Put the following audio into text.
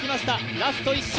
ラスト１周。